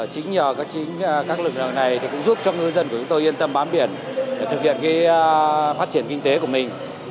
chính nhờ các lực lượng này cũng giúp cho ngư dân của chúng tôi yên tâm bám biển thực hiện phát triển kinh tế của mình